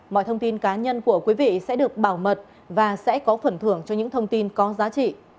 mọi thông tin cá nhân của quý vị sẽ được bảo mật và sẽ có phần thưởng cho những thông tin có giá trị